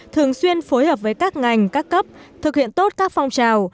thường xuyên phối hợp với các ngành các cấp thực hiện tốt các phong trào